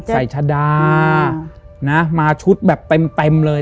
ชาดามาชุดแบบเต็มเลย